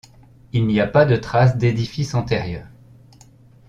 Il n'y a pas de trace d'édifice antérieur.